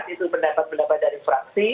itu pendapat pendapat dari fraksi